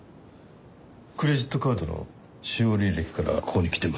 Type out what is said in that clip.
クレジットカードの使用履歴からここに来てます。